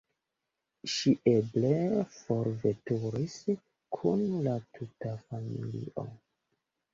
Ŝi eble forveturis kun la tuta familio.